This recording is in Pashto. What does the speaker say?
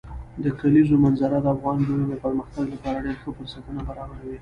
د کلیزو منظره د افغان نجونو د پرمختګ لپاره ډېر ښه فرصتونه برابروي.